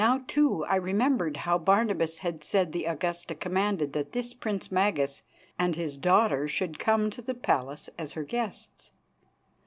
Now, too, I remembered how Barnabas had said the Augusta commanded that this Prince Magas and his daughter should come to the palace as her guests.